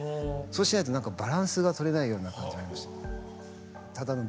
そうしないと何かバランスがとれないような感じがありました。